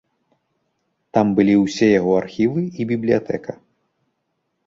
Там былі ўсе яго архівы і бібліятэка.